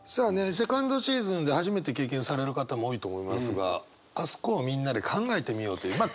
セカンドシーズンで初めて経験される方も多いと思いますがあそこをみんなで考えてみようというまあ